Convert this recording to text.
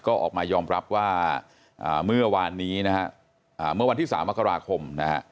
ก็ออกมายอมรับว่าเมื่อวานที่๓อาคาราคม